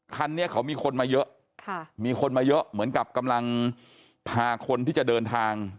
คันนี้เขามีคนมาเยอะมีคนมาเยอะเหมือนกับกำลังพาคนที่จะเดินทาง